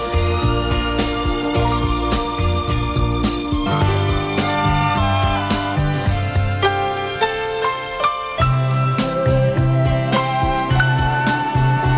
hẹn gặp lại